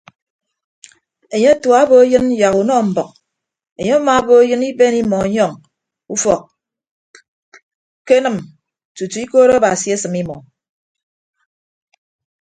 Enye atua obo eyịn yak unọ mbʌk enye amaabo eyịn iben imọ yọñ ufọk kenịm tutu ikoot abasi asịm imọ.